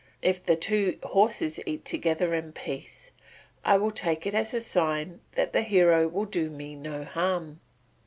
If the two horses eat together in peace, I will take it as a sign that the hero will do me no harm.